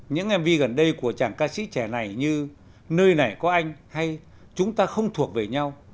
những mv gần đây của chàng ca sĩ trẻ này như nơi này có anh hay chúng ta không thuộc về nhau